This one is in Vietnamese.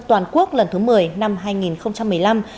toàn quốc lần thứ một mươi năm hai nghìn một mươi năm